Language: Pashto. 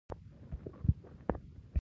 دا د اسرا او معراج پر وخت و.